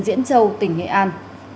thị trấn diễn châu tỉnh nghệ an